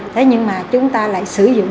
thế nhưng mà chúng ta lại sử dụng